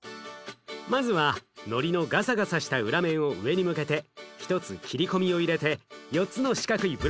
まずはのりのガサガサした裏面を上に向けて１つ切り込みを入れて４つの四角いブロックに分けて下さい。